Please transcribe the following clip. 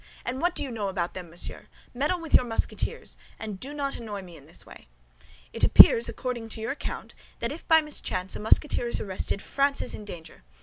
And what do you know about them, Monsieur? Meddle with your Musketeers, and do not annoy me in this way. It appears, according to your account, that if by mischance a Musketeer is arrested, France is in danger.